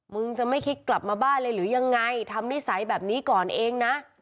มึงจะไม่คิดกลับมาบ้านเลยหรือยังไงทำนิสัยแบบนี้ก่อนเองนะ